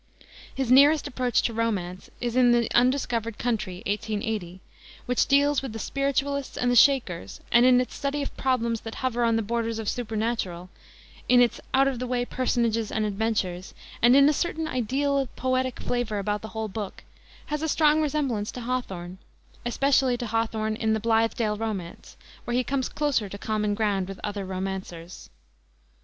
His nearest approach to romance is in the Undiscovered Country, 1880, which deals with the Spiritualists and the Shakers, and in its study of problems that hover on the borders of the supernatural, in its out of the way personages and adventures, and in a certain ideal poetic flavor about the whole book, has a strong resemblance to Hawthorne, especially to Hawthorne in the Blithedale Romance, where he comes closer to common ground with other romancers.